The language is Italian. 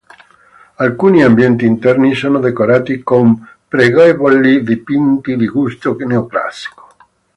Alcuni ambienti interni sono decorati con pregevoli dipinti di gusto neoclassico.